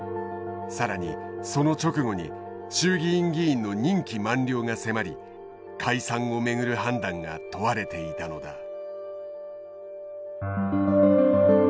更にその直後に衆議院議員の任期満了が迫り解散を巡る判断が問われていたのだ。